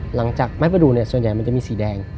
หลังจากไม้ประดูกส่วนใหญ่มันจะมีสีแดง